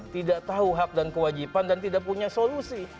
tidak tahu hak dan kewajiban dan tidak punya solusi